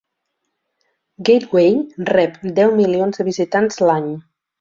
Gateway rep deu milions de visitant l'any.